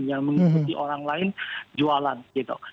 yang mengikuti orang lain jualan gitu